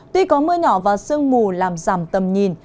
tuy có mưa nhỏ và sương mù làm giảm tầm nhìn